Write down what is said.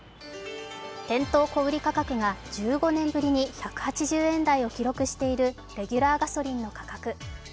店頭小売価格が１５年ぶりに１８０円台を記録しているレギュラーガソリンの価格。